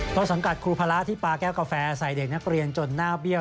ต้นสังกัดครูพระที่ปาแก้วกาแฟใส่เด็กนักเรียนจนหน้าเบี้ยว